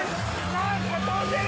何か飛んでる！